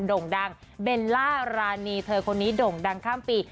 โด่งดังเบลล่ารานีเธอคนนี้โด่งดังข้ามปี